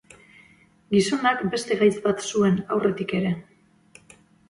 Gizonak beste gaitz bat zuen aurretik ere.